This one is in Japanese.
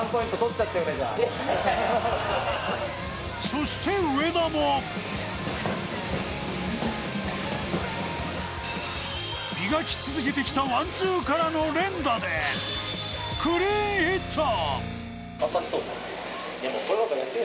そして上田も磨き続けてきたワン・ツーからの連打でクリーンヒット。